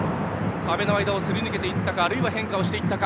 壁の間をすり抜けていったかあるいは変化していったか。